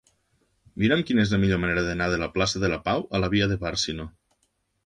Mira'm quina és la millor manera d'anar de la plaça de la Pau a la via de Bàrcino.